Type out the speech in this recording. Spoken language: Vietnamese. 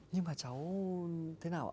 nhưng mà cháu thế nào ạ